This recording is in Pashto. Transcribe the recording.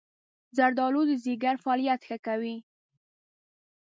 زردآلو د ځيګر فعالیت ښه کوي.